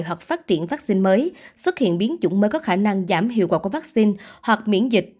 hoặc phát triển vaccine mới xuất hiện biến chủng mới có khả năng giảm hiệu quả của vaccine hoặc miễn dịch